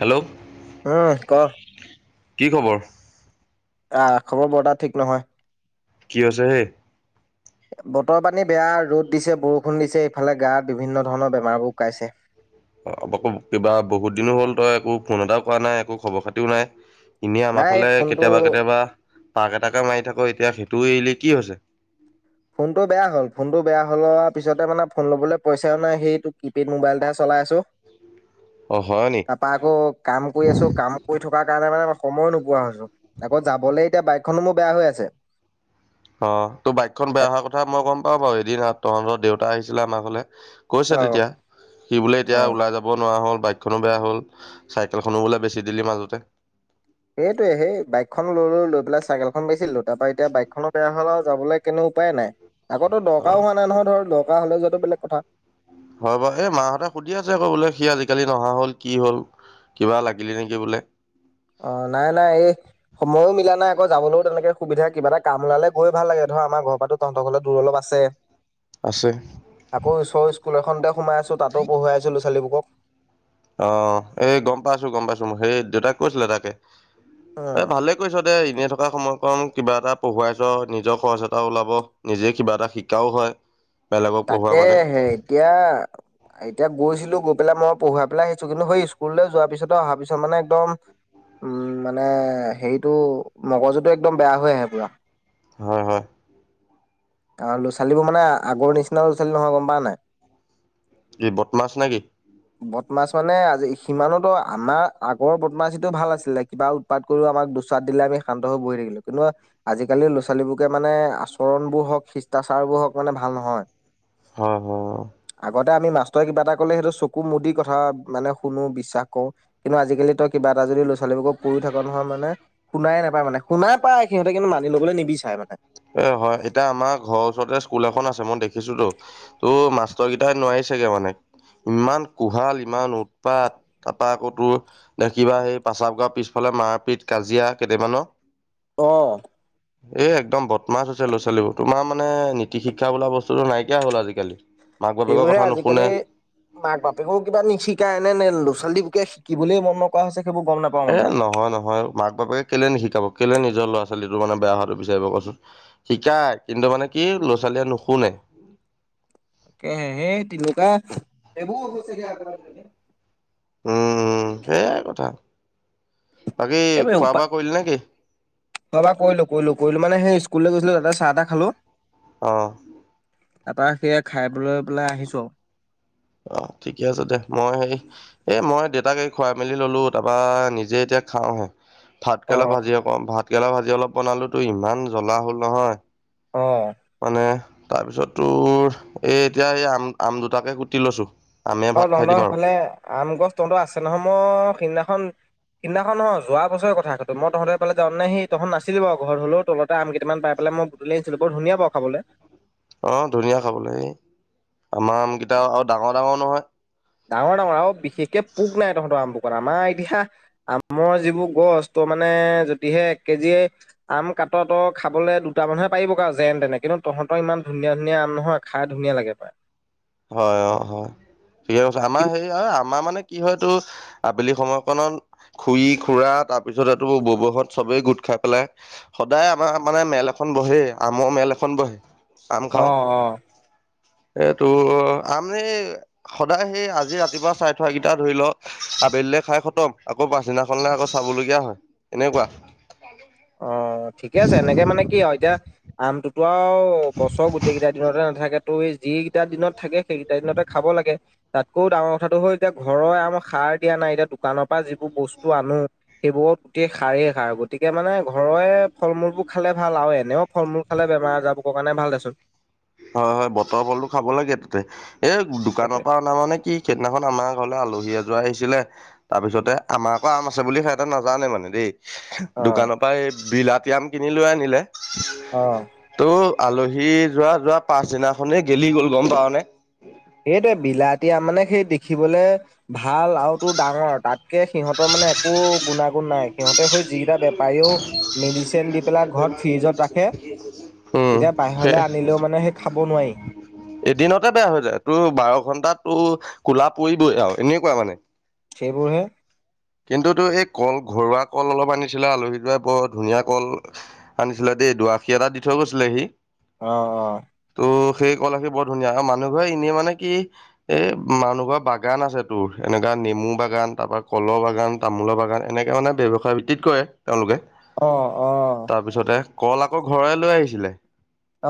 Hello উম ক। কি খবৰ? অ, খবৰ বৰ এটা ঠিক নহয়। কিয়ছোহে বতৰ পানী বেয়া ৰ'দ দিছে বৰষুণ দিছে ইফালে গাত বিভিন্ন ধৰণৰ বেমাৰবোৰ শুকাইছে অ- অ কিবা বহুত দিনো হ'ল তই একো ফোন এটাও কৰা নাই একো খবৰ খাতিও নাই এনেই আমাৰ নাই এই ফালে ফোনটো কেতিয়াবা কেতিয়াবা পাক এটাকে মাৰি থাকো এতিয়া সেইটো এৰিলে কি হৈছে ফোনটো বে হল ফোনটো বেয়া হল পিছতে মানে ফোন ল'বলৈ পইচাও নাই সেইটো কিপেড মোবাইল এহে চল অ হয় নি তাৰপা আকৌ কাম কৰি আছো কাম কৰি থকাৰ কাৰণে মানে সময়ো নোপোৱা হৈছো আকৌ যাবলৈ এতিয়া বাইকখনো মো বেয়া হৈ আছে অ তোৰ বাইকখন বেয়া অহা কথা মই গম পাওঁ বাৰু এদিন তহঁতৰ দেউতা আহিছিলে আমাৰ হলে কৈছে অ তেতিয়া সি বোলে অ এতিয়া ওলাই যাব নোৱাৰা হ'ল বাইকখনো বেয়া হ'ল চাইকেলখনো বওললে বেছি দিলি মাজতে সেইটোয়ে সেই বাইকখন লৈলো লৈ পেলাই চাইকেলখন বেচিছিলো তাৰ পৰাা এতিয়া বাইকখননৰ বেয়া হল আৰু যাবলৈ কেনো উপায়ে নাই আগতো অ দৰকাৰও হোৱা নাই নহয় ধৰ দৰকাৰ হলেও যোৱাাতটো বেলেগ কথা হয় বাৰু এই মা হঁতে সুধি আছে ক বোলে সি আজিকালি নহা হল কি হল কিবা লাগিলি নেকি বোলে অ নাই নাই এই সময়ো মিলা নাই আকৌ যাবলৈও তেনেকে সুবিধা কিবা এটা কাম ওলালে গৈয়ে ভাল লাগে ধৰা আাৰ ঘৰ পৰাাতো তহঁৰ ঘৰ দূৰ অলপ আছে আছে আকৌ ঈশৰৰ স্কুল এখনতে সোমাই আছো তাতো পঢ়াই আছিলো ছোৱালীবুকক অ' এই গম পাইছো গম পাইছো মোৰ সেই দেউতাক কৈছিলে তাকে এ উম ভালে কৈছ দে এনেই থকা সময়ত অকণ কিবা এটা পঢ়ুৱাই চ নিজৰ খৰচ এটা ওলাব নিজে কিবা এটা শিকাও হয় বেলেগক পঢ়োৱা তাকে মানে এতিয়া এতিয়া গৈছিলো গৈ পেলাই মই পঢ়ুৱাই পেলাই আহিছো কিন্তু সেই স্কুললৈ যোৱাৰ পিছত অহা পিছত মানে একদম উম মানে হেৰিটো মগজুটো একদম বেয়া হৈ আহে পুৰা। হয় -হয় আৰু ল'ৰা ছোৱালীবোৰ মানে আগৰ নিচিনা ল'ৰা ছোৱালী নহয় গম প নাই এই বদ মাছ নে কি বদমাছ মানে আজি সিমানতো আমাৰ আগৰ বদমাছটো ভাল আছিলে কিবা উৎপাত কৰিও আমাক। দুচাত দিলে আমি শান্ত হৈ বহি থাকিলো কিন্তু আজিকালি লৰা ছোৱালীবোৰকে মানে আচৰণ বোৰ হওক শিষ্টাচাৰবোৰ হওক মানে ভাল নহয় অহ হ এ আমি মাষ্টৰে কিবা এটা কলেেইটো চকু মুদি কথা মানে শুনো বিশ্বাস কৰ কিন্তু আজিকালি তই কিবা এটা যদি লৈ ছোৱালীবক কৰি থকা নহয় মানেুাই নাপায় মানে শুনাই পাই সিহঁতে কিন্তু মানি ল'বলৈ নিবিচাৰে মানে অ' হয় এতিয়া আমাক ঘৰৰ ওচৰতে স্কুল এখন আছে মই দেখিছো তো ত' মাষ্টৰ কেইটাই নোৱাৰি চগে মানে ইমান কোহাল ইমান উৎপাত তাৰপা আকৌ তোৰ দেখিবা সেই প্ৰচাৱাৰ পিছফালে মাৰপিত কাজিয়া কেইটামানৰ অহ এ একদম বত তোমা আছে লৰা ছোৱালী তোমাৰ মানে নীতি শিক্ষা বোলা বস্তুতটো নাইকিয়া হ'ল আজিকালি মাক বাপেকৰ সেইবোৰে কথা নুশুনে। আজিকালি মাক বাপেকো কিবা নিশিকায় এনে ল'ৰা ছোৱালী বুকে শিকিবলৈ মন নন কৰা হৈছে সেইবোৰ গম নাপাও এ মানে নহয় নহয় মাক বাপেকে কেলে নিশিক শাব কেলে নিজৰ ল'ৰা ছোৱালীটো মানে বেয়া হোৱাটো বিচাৰিব কচোন শিকাই কিন্তু মানে কি ল'ৰা ছালীয়ে নুশুনে [unintelligible] তাকেহে সেই তেনেকুৱা এইবোৰ হৈছেগে আকৌ আজিকালি। উম সেয়াই কথা বাকী খোৱা বোৱা কৰিল নে কি অ বাৰ কৰিলো কৰিলো কৰিলো মানে সেই স্কুললৈ গৈছিলো তাতে চাহ এটা খালো অহ তাৰপৰা সেই খাইলৈ পেলাই আহিছো আৰু অ' ঠিকে আছে দে মই সেই এই মই দেউতাক এই খুৱাই মেলি ললো তাৰপা নিজে এতিয়া খাওঁহে। অ ভাতকেৰেলা ভাজি আকৌ ভাতকেৰেলা ভাজি অলপ বনালো তো ইমান জ্বলা হ'ল নহয়। অ মানে তাৰপিছত তোৰ এই এতিয়া এই আম আম দুটাকে কাটি লৈছো আমে অ ভাত খাই তহতহ দিম আৰু সেইফালে আম গছ তহঁতৰ আছে নহয় মই সিদিনা সিদিনাখন অ যোৱা বছৰে কথাটো মই তহঁতে পালে যাও নাই সিহত নাছিল বু ঘৰ হলেও তলত আম কেইটামান পাই পেলায় মই আনিছিলো বৰ ধুনীয়া বাৰু খাবলৈ অ ধুনীয়া খাবলৈ এই আমাৰ আমকেইটা আৰু ডাঙৰ ডাঙৰ নহয় ডাঙৰ ডাঙৰ আৰু বিশেষকে পোক নাই তহঁতৰ আম পোকত আমাৰ এতিয়া আমৰ যিবোৰ গছ ত মানে যদিহে এক কেজিয়ে আম কাত ত খাবলে দুটা মানহে পাৰিব কাৰ যেন তেনে কিন্তু তহঁতৰ ইমান ধুনীয়া ধুনীয়া আম নহয় খাই ধুনীয়া লাগে পায় হয় অ হয় ঠিকে কৈছে আমাৰ হে আমাৰ মানে কি হয়তটো আবেলি সময়কনত খুৰিী খুৰা তাৰপিছত এইটো বোহত চবেই গোট খাই পেলাই সদায় আমাৰ মানে মেল এখন বহে আমৰ মেল এখন বহে আম খাওঁ অ', অ'। এইটো আমি সদায় সেই আজি ৰাতিপুৱা চাই থোৱাকিটা ধৰি লও আবেলি খাই খতম আকৌ আকৌ পাছদিনাখনলে আকৌ চাবলগীয়া হয় এনেকুৱা অ ঠিকে আছে এনেকে মানে কি আৰু এতিয়া আমটোতো ও বছৰ গোটেই কেইটা দিনতে নাথাকে যি কেইটা দিনত থাকে সেইকেইটা দিনতে খাব লাগে তাতকৈও ডাঙৰ কথাটো হল এতিয়া ঘৰৰে আমাৰ সাৰ দিয়া নাই এতিয়া দোকানৰ পৰা যিবোৰ বস্তু আনো সেইবোৰত গোটেই সাৰেই খাৰ গতিকে মানে ঘৰৰে ফল মূলবোৰ খালে ভাল আৰু এনেও ফল মূল খালে বেমাৰ আজাৰোৰ কাৰণে ভাল দেচোন হয় হয় বতৰ ফলটো খাব লাগে তাতে। এ দোকানৰ সেইটোৱে পৰা অনা মানে কি সেইদিনাখন আমাৰ ঘৰলে আলহী আ যোৱা আহিছিলে তাৰপিছতে আমাৰকৌ আম আছে বুলি সিহঁতে নাজানে মানে দেই। অ', দোকানৰ পৰা এই বিলাতি আম কিনি লৈ আনিলে অ'। ত' আলহী যোৱা যোৱা পাছদিনাখনেই গেলি গ'ল গম পাও নে এইটোৱে বিলতিয়া মানে সেই দেখিবলে ভাল আৰু তো ডাঙৰ তাতকে সিহঁতৰ মানে মানে একো গুণাগুণ নাই সিহঁতে গৈ যিেইটা পাৰিও মেডিচিন দি পেলাই ঘৰত ফ্ৰিজত ৰাখে উম এতিয়া সেই বাহিৰলে আনিলেও মানে সে খাব নোৱাৰি এদিনতে বেয়া হৈ যায় তোৰ বাৰ ঘন্টাত তোৰ কোলা পৰিবই আৰু এনেকুৱা মানে সেইবোৰহে কিন্তুটো এই কল ঘৰুৱা কল অলপ আনি আনিছিলে আলহীটোৱে বৰ ধুনীয়া কল আনিছিলে দেই দআশী এটা দি থৈ গৈছিলে সি অহ অহ ত সেই কলআশি বৰ ধুনীয়া আৰু মানুহ ঘৰে এনেই মানে কি এ মানুহ ঘৰ বাগান আছে তোৰ। এনেকুৱা নেমু বাগান তাৰপৰা কলৰ বাগান তামোলৰ বাগান এনেকৈ মানে ব্যৱসায় ভিত্তিত কৰে। তেওলোকে অ অ অ তাৰপিছতে কল আকৌ ঘৰ লৈ আহিছিলে।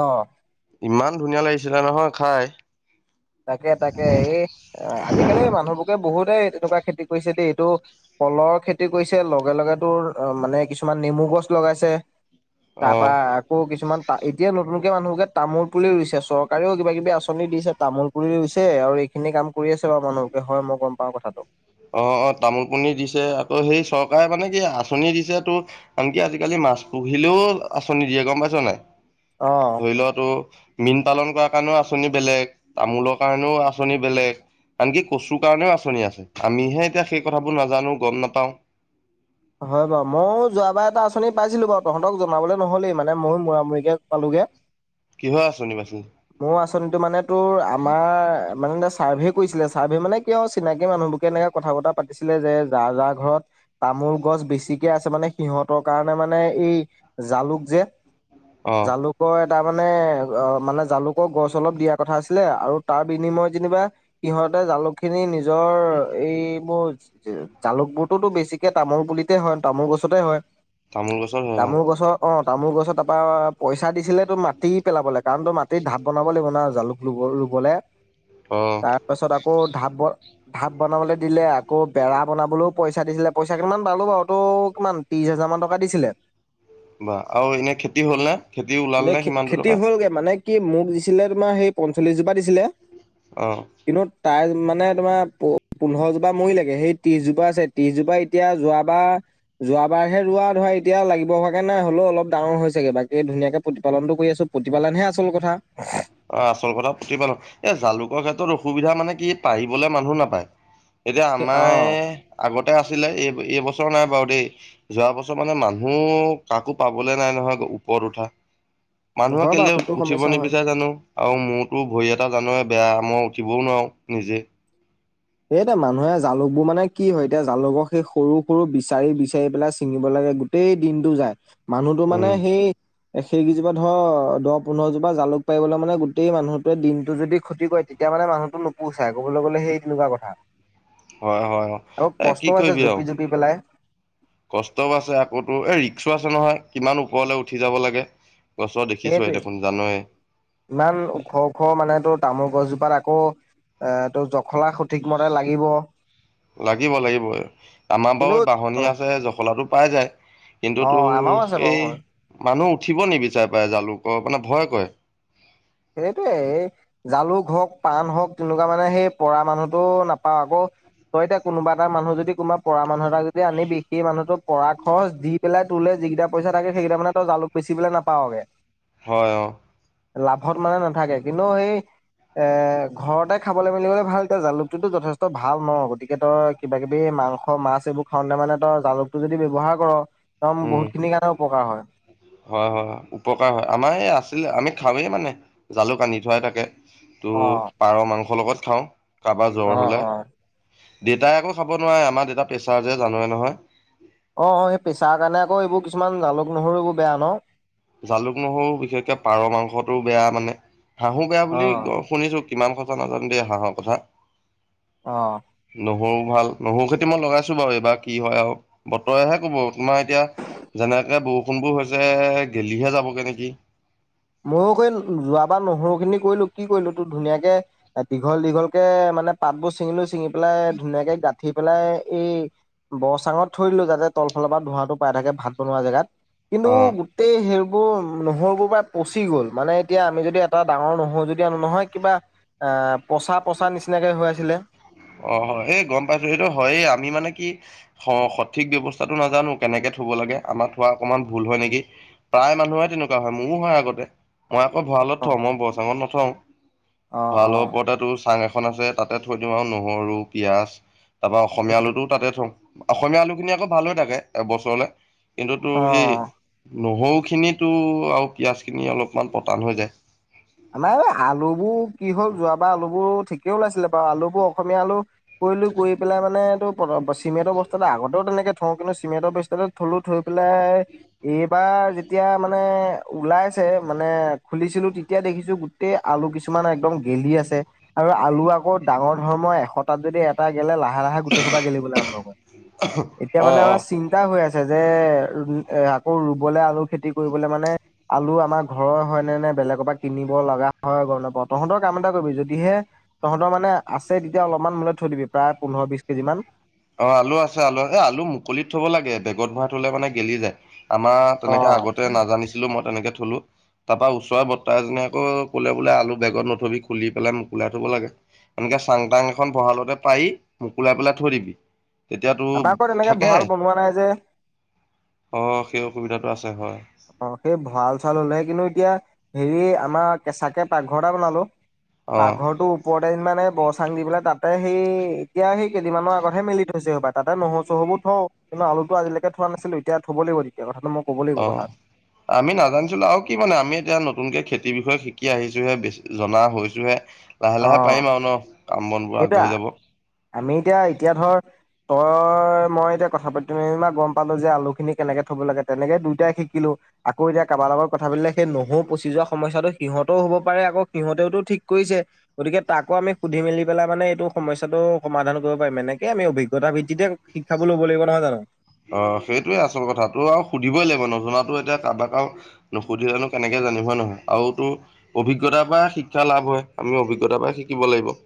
অহ, ইমান ধুনীয়া লাগিছিলে নহয় খাই। তাকে তাকে এই খ দটো ক খেে মানে কিছু ন [unintelligible] লগাইছে অ তাৰ পৰা আকৌ কিছুমান এতিয়া নতুনকে মানুহকে তো পুলি ৰুইছে চৰকাৰেও কিবি আচনি দিছে তামোল পুলি ৰৈছে আৰু এইখিনি কাম কৰি আছে বাৰু মানুহকে হয় মই গম পাও কথাটো। অ-অ তামোল পণ দিছে আকৌ সেই চৰকাৰে মানে কি আচনি দিছে টো আনকি আজিকালি মাছ পুহিলেও আচনি দিয়ে গম পাইছ নাই অ ধৰি ল তোৰ মীন পালন কৰা কাৰণেও আচনি বেলেগ তামোলৰ কাৰণেও আচনি বেলেগ। আনকি কচুৰ কাৰণেও আচনি আছে আমিহে এতিয়া সেই কথাবোৰ নাজানো গম নাপাও। হয় বাৰু ময়ো যোৱাবাৰ এটা আচনি পাইছিলো বাৰু তহতক জনাবলৈ নহ'লেই মানে ময়ো মূৰামূৰিকৈ পালোগে। কিহৰ আঁচনি বাচিল মোৰ আচনিটো মানে তোৰ আমাৰ মাঙগাচ চাৰ্ভে কৰিছিলে ছাৰ্ভে মানে- কিয় চিনাকি মানুহবোকে এনেকে কথা বতা পাতিছিলে যে যা যা ঘৰত তামোল গছ বেছিকে আছে মানে সিহঁতৰ কাৰণে মানে এই জালুক যে অ', জালুকৰ এটা মানে, অ মানে জালুকৰ গছ অলপ দিয়া কথা আছিলে আৰু তাৰ বিনিময়ত যেনিবা সিহঁতে জালুক খিনি নি নিজৰ এইবোৰ জালুকবোৰটো বেছিকে তামোল পুলিতে হয় তামোল গছতে হয়, তামোল গছৰ হয় অ তামোল গছৰ তাৰপা পইচা দিছিলে টো মাটি পেলাব লে কাৰণ টো মাটিত ঢাপ বনাব লাগিব না, জালুক ৰুব ৰুবলৈ অ', তাৰ পাছত আকৌ ধাপ ব ভাপ বনাবলে দিলে আকৌ বেৰা বনাবলৈও পইচা দিছিলে পইচা কিমান পালো বাৰু টো কিমান ত্ৰিশ হাজাৰ মান টকা দিছিলে বা আৰু এনে খেতি হ'ল নে খেতি ওলাল এনে নে সিমান দু খেতি টকা হ'লগে মানে কি মোক দিছিলে তোমাৰ সেই পঞ্চল্লিশ জোপা দিছিলে, অহ, তাইৰ মানে তোমাৰ পো পোন্ধৰ জোপা মৰিলে গে সেই ত্ৰিশজোপা আছে ত্ৰিশজোপা এতিয়া যোৱা বা যোৱাবাৰ হে ৰোৱা ধৰা এতিয়া লাগিব হোৱাগে নাই হ'লেও অলপ ডাঙৰ হৈছেগে বাকে ধুনীয়াকে পু পালনটো কৰি আছো প্ৰতিপালনহে আচল কথা, অ আচল কথা প্ৰতিপালন, এ জালুকৰ ক্ষেত্ৰত অসুবিধা মানে কি পাৰিবলে মানুহ নাপায়। এতিয়া অ আমায় আগতে আছিলে এই এই বস্ত চৰ নাই বাৰু দেই, যোৱা বছৰ মানে মানুহ কাকো পাবলে নাই নহয় ওপৰত উঠা। মানুহ হয় কেলে বাৰু সেইটো উঠিব সমস্যা হয় নিবিচাৰে জানো,। আৰু মোৰতো ভৰি এটা জানৱে বেয়া মই উঠিবও নোৱাৰো নিজে। এ এতিয়া মানুহে জালুকবোৰ মানে কি হয় এতিয়া জালুকক সেই সৰু সৰু বিচাৰি বিচাৰি পেলাই ছিঙিলে, গোটেই দিনটো যায় মানুহটো মানে উম সেই সেইকেইজোপা ধৰ দহ পোন্ধৰ জোপা জালুক পাৰিবলৈ মানে গোটেই মানুহটোৱে দিনটো যদি ক্ষতি কৰে তেতিয়া মানে মানুহটো নোপোচাই ক'বলৈ গ'লে সেই তেনেকুৱা কথা। হয় হয় অ আৰু এ কি কষ্টও আছে কৰিবি আৰু জুপি জুপি পেলাই কষ্টও আছে আকৌ তোৰ এই ৰিক্সো আছে নহয় কিমান ওপৰলে উঠি যাব লাগে। গছৰ দেখিছোৱে সেইটোৱে দেখোন জানয়ে ইমান ওখ ওখ মানে টো তামোল গছ বাৰ আকৌ এ টো জখলা সঠিক মতে লাগিব, লাগিব লাগিব, আমাৰ কিন্তু বাৰু বাঁহনী অ আছে জখলাটো পাই যায়। কিন্তু অ আমাৰো তোৰ আছে বাৰু এই হয় মানুহ উঠিব নিবিচাৰে পাই জালুকৰ মানে ভয় কৰে। সেইটোয়ে জালুক হওক পাণ হওক তেনেকুৱা মানে সেই পৰা মানুহটো নাপাও আকৌ তই এতিয়া কোনোবা এটা মানুহ যদি কোনোবা পৰা মানুহ এটা যদি আনিবি সি মানুহটোক পঢ়া খৰচ দি পেলাই তোলে যিকেইটা পইচা থাকে সেইকেইটা মানে তই জালুক বেচি পেলাই নাপাওগে। হয় অ ঘৰত মানে নাথাকে কিন্তু সি এ ঘৰতে খাবলৈ মেলিবলৈ ভাল তেওঁ জালুকটো যথেষ্ট ভাল ন গতিকে তই কিবা কিবি মাংস মাছ এইবোৰ খাওঁতে মানে তই জালুকটো যদি ব্যৱহাৰ কৰ, একদম উম বহুত খিনিৰ কাৰণে উপকাৰ হয়। হয় হয় উপকাৰ হয় আমাৰ এই আছিলে আমি খাওঁৱেই মানে জালুক আনি থোৱাই থাকে তো অ পাৰ মাংসৰ লগত খাওঁ কাবাৰ অ জ্বৰ হলে দেউতাই আকৌ খাব নোৱাৰে আমাৰ দেউতাৰ প্ৰেছাৰ যে জানৱে নহয় অঁ অঁ এই প্ৰেছাৰ কাৰণে আকৌ এইবোৰ কিছুমান জালুক নহৰু বোৰ বেয়া ন? জালুক নহৰু বিশেষকে পাৰ মাংসটো বেয়া মানে হাঁহো বেয়া অ বুলি শুনিছো কিমান সচা নাজানো দেই হাঁহৰ কথা অ নহৰু ভাল নহৰু খেতি মই লগাইছো বাৰু এইবাৰ কি হয় আৰু, বতৰেহে কব তোমাৰ এতিয়া যেনেকে বৰষুণবোৰ হৈছে গেলিহে যাবগে নেকি? ময়ো ক যোৱাবাৰ নহৰু খিনি কৰিলো। কি কৰিলো তো ধুনীয়াকে দীঘল দীঘল কে মানে পাতবোৰ চিঙ লৈ চিঙি পেলাই ধুনীয়াকে গাত উঠি পেলাই এই বৰ চাঙত থৈ দিলোঁ যাতে তলফালৰ পৰা ধোঁৱাটো পাই থাকে ভাত বনোৱা জেগাত কিন্তু অ'। গোটেই সেইৰিবোৰ নহৰুবোৰ বা পচি গ'ল মানে এতিয়া আমি যদি এটা ডাঙৰ নহো যদি আন নহয় কিবা আহ পচা - পচা নিচিনাকে হৈ আছিলে। অ, হয় এই গম পাইছো সেইটো হয় আমি মানে কি সঠিক ব্যৱস্থাটো নাজানো কেনেকে থব লাগে আমাৰ থোৱা অকমান ভুল হয় নেকি প্ৰায় মানুহে তেনেকুৱা হয় মোৰো হয় আগতে মই আকৌ ভৰালত থও মই বৰচাঙত নথও অ', ভালৰ অ'। ওপৰতেতো চাং এখন আছে তাতে থৈ দিম আৰু নহৰু পিয়াজ তাপা অসমীয়া আলুটো তাতে থওঁ অসমীয়া আলু খিনি আকৌ ভাল হৈ থাকে এবছৰলে কিন্তু তো এই অ'। নহৰু খিনি আৰু পিয়াজ খিনি অলপমান পতান হৈ যায়। আমাৰ এই আলুবোৰ কি হ'ল যোৱা বাৰ আলুবোৰ ঠিক [unintelligible] ওলাইছিলে বাৰু আলুবোৰ অসমীয়া আলু কৰি ল কৰি পেলাই মানে এইটো চিমেটৰ বস্তু এটা আগতেও তেনেক ম [unintelligible] খাইছে মানে খুলিছিলো এতিয়া দেখিছো গোটেই আলু কিছুমান একদম গেলি আছে আৰু আলু আকৌ ডাঙৰ ধৰ্মৰ এশটাত যদি এটা লে লাহে-লাহে গোটেই [unintelligible] গেলিবলে আম লগত এতিয়া অ মানে অ আমাৰ চিন্তা হৈ আছে। যে, এ আকৌ ৰুবলে আলু খেতি কৰিবলে মানে আলু আমাৰ ঘৰৰ হয়নে নে বেলেগৰ পা কিনিব লগা হয় গ ন প তহঁতৰ কাম এটা কৰিবি যদিহে তহঁতৰ মানে আছে তেতিয়া অলপমান মোলে থৈ দিবি প্ৰায় পোন্ধৰ বিশ কেজি মান অ, আলু আছে, আলু এ আলু মুকলিত থব লাগে বেগত ভৰা থলে মানে গেলি যায়। আমাৰ তেনেকে অ', আগতে নাজানিছিলো মই তেনেকে থলো তাৰ পৰাৰা ওচৰ বৰ্ত এজনীয়ে আকৌ কলে বোলে আলু বেগত নথবি খুলি পেলাই মোকলাই থ'ব লাগে। এনেকে চাং তাং এখন বহালতে পাৰি মোকুলাই পেলাই থৈ দিবি তেতিয়াতো আমাৰ আকৌ তেনেকে থাকে ভঁৰাল বনোৱা নাই যে অ সেই অসুবিধাটো আছে হয়। অ সেই ভঁৰাল চৰাল হলেহে কিন্তু এতিয়া হেৰি আমাৰ কেচাকে পাকঘৰ এটা বনালো অ পাকঘৰটো ওপৰতে এদিন মানে ব চাং দি পেলাই তাতে সেই এতিয়া সেই কেইদিনমানৰ আগতে হে মেলি থৈছে হবা তাতে নহৰু চহৰু বোৰ থও কিন্তু আলুতো আজিলকে থোৱা নাছিলো তেতিয়া থ'ব লাগিব তেতিয়া কথাটো মই ক'ব অ লাগিব কথাত আমি নাজানিছিলো আৰু কি মানে আমি এতিয়া নতুনকে খেতিৰ বিষয়ে শিকি আহিছোহে বেছি জনা হৈছোহেপ অ, সেইটোয়া আগবাঢ়ি যাব আমি এতিয়া - এতিয়া ধৰ তই মই এতিয়া কথা পাতিম যেনিবা গম পালো যে আলু খিনি কেনেকে থ'ব লাগে তেনেকে দুইটাই শিকিলো আকৌ এতিয়া কাৰাবাৰ লগত কথা পাতিলে সেই নহৰু পচি যোৱা সমস্যাতটো সিহতেও হ'ব পাৰে আকৌ সিহতেওতটো ঠিক কৰিছে। গতিকে তাকো আমি সুধি মেলি পেলাই মানে এইটো সমস্যাটো সমাধান কৰিব পাৰিম এনেকে আমি অভিজ্ঞতাৰ ভিত্তিতে শিক্ষা ল'ব লাগিব নহয় জানো অ, সেইটোয়ে আচল কথা তো আৰু সুধিবই লাগিব নজনাাতো এতিয়া কাৰোবাকো নুসুধিল জানো কেনেকে জানিব নহয় আৰুতো অভিজ্ঞতাৰ পৰা শিক্ষা লাভ হয় আমি অভিজ্ঞতাৰ পৰা শিকিব লাগিব। [inaudible]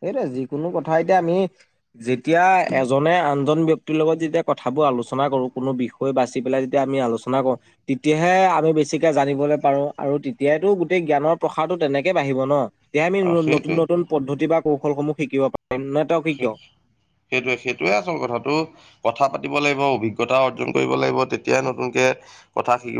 সেইটো যিকোনো কথা এতিয়া আমি যেতিয়া এজনে আনজন ব্ক্তিৰ লগত যেতিয়া কথা পা আলোচনা কৰো কোনো বিষয় বাচি পেলাই যেতিয়া আমি আলোচনা কৰো তেতিয়াহে আমি বেছিকে জানলৈ পাৰো আৰু তেতিয়ো গোটেই জ্ঞানৰ প্ৰসাৰটো তেনেকে বাঢ়িব ন এতিয়া আমি নতুন সেইটোৱে - নতুন পদ্ধতি বা কৌশলসমূহ শিকিব পাৰি সেইটোৱে - সেইটোৱে আচল কথাটো কথা পাতি থাকিব লাগিব অভিজ্ঞতা অৰ্জন কৰিব লাগিব তেতিয়া নুন কথা শট